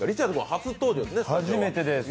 初めてです。